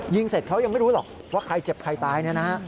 ยิงเสร็จเขายังไม่รู้หรอกว่าใครเจ็บใครตาย